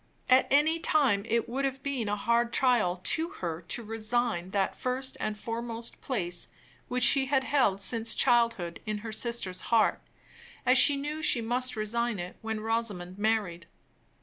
At any time it would have been a hard trial to her to resign that first and foremost place which she had held since childhood in her sister's heart, as she knew she must resign it when Rosamond married.